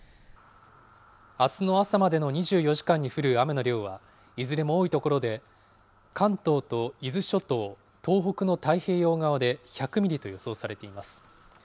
あすの朝までの２４時間に降る雨の量はいずれも多い所で、関東と伊豆諸島、東北の太平洋側で１００ミリと予想されています。